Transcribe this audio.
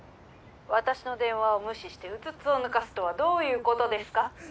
私の電話を無視してうつつを抜かすとはどういうことですか？